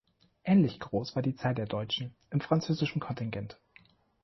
Ähnlich groß war die Zahl der Deutschen im französischen Kontingent.